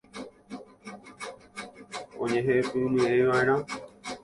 Oñehepymeʼẽvaʼerã.